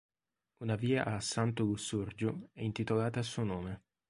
Una via a Santu Lussurgiu è intitolata a suo nome.